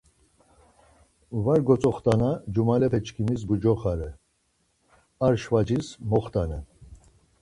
Var gotzoxtana cumalepe çkimis bucoxare, ar şvacis moxtanen.